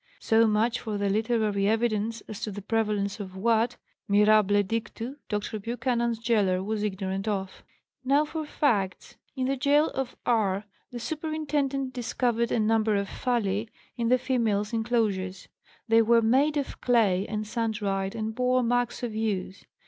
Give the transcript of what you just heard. So much for the literary evidence as to the prevalence of what, mirable dictu, Dr. Buchanan's gaoler was ignorant of. "Now for facts. In the gaol of R. the superintendent discovered a number of phalli in the females' inclosure; they were made of clay and sun dried and bore marks of use.